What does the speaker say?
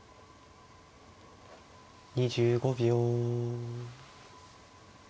２５秒。